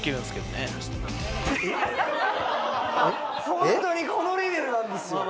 ホントにこのレベルなんですよ。